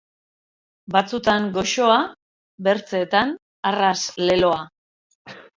Batzutan goxoa, bertzeetan arras leloa.